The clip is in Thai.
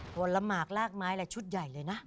ผลหมากลากไม้อะไรชุดใหญ่เลยนะ